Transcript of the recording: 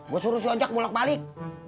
gue suruh si ojak bolak balik